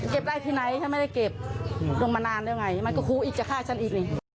ได้ที่ไหนฉันไม่ได้เก็บลงมานานแล้วไงมันก็คูอีกจะฆ่าฉันอีกนี่